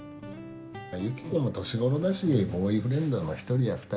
ユキコも年頃だしボーイフレンドの１人や２人。